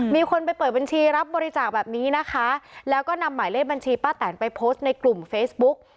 มีคนไปเปิดบัญชีรับบริจาคแบบนี้นะคะแล้วก็นำหมายเลขบัญชีป้าแตนไปโพสต์ในกลุ่มเฟซบุ๊ก